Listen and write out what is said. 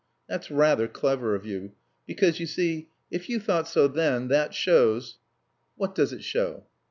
"That's rather clever of you. Because, you see, if you thought so then that shows " "What does it show?"